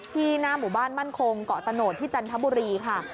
หน้าหมู่บ้านมั่นคงเกาะตะโนธที่จันทบุรีค่ะ